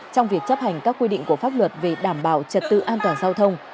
trong việc chấp hành các quy định của pháp luật về đảm bảo trật tự an toàn giao thông